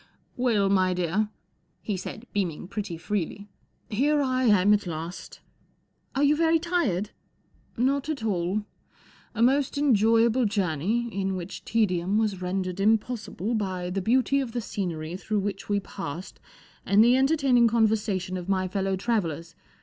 " Well, my dear," he said, beaming pretty freely, " here I am at last." " Are you very tired ?"" Not at all. A most enjoyable journey, in which tedium was rendered impossible by the beauty of the scenery through which we passed and the entertaining conversation of my fellow travellers.